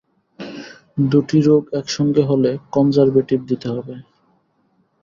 দুটি রোগ একসঙ্গে হলে কনজারভেটিভ দিতে হবে।